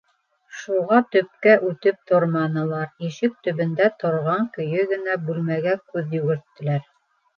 Шуға төпкә үтеп торманылар, ишек төбөндә торған көйө генә бүлмәгә күҙ йүгерттеләр.